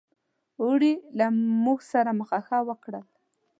اوړي له موږ سره مخه ښه وکړل.